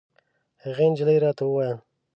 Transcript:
هغې نجلۍ راته ویل.